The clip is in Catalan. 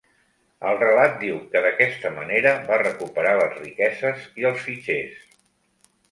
El relat diu que d'aquesta manera va recuperar les riqueses i els fitxers.